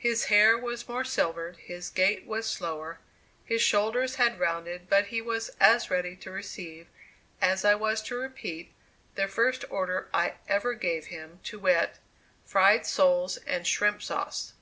His hair was more silvered, his gait was slower, his shoulders had rounded, but he was as ready to receive, as I was to repeat, the first order I ever gave him, to wit: "Fried soles and shrimp sauce."